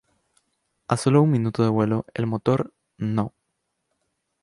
A solo un minuto de vuelo, el motor No.